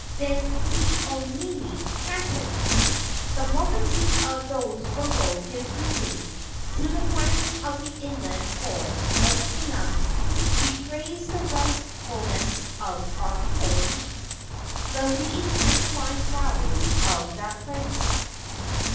Then Ke au nini chanted: "The multitude of those below give greeting To the friends of the inland forest of Puna; We praise the restfulness of our home; The leaves and divine flowers of that place."